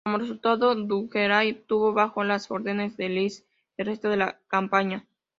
Como resultado, Guderian estuvo bajo las órdenes de List el resto de la campaña.